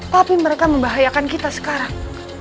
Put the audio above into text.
tapi mereka membahayakan kita sekarang